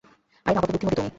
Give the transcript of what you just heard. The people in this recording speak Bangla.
আরে মা, কত বুদ্ধিমতি তুমি!